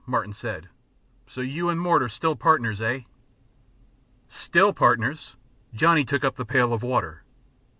Martin said. "So you and Mort are still partners, eh?" "Still partners?" Johnny took up the pail of water.